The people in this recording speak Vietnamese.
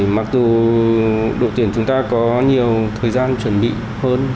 mặc dù đội tuyển chúng ta có nhiều thời gian chuẩn bị hơn